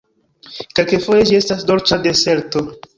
Kelkfoje, ĝi estas dolĉa deserto.